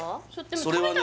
それはね